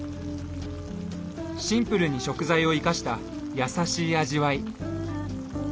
シンプルに食材を生かした優しい味わい。